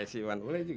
iya sih bang boleh juga